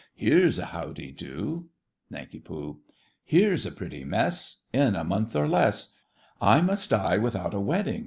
Here's a how de do! NANK. Here's a pretty mess! In a month, or less, I must die without a wedding!